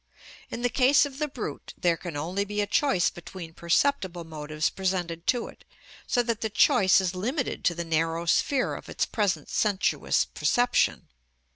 In the case of the brute there can only be a choice between perceptible motives presented to it, so that the choice is limited to the narrow sphere of its present sensuous perception.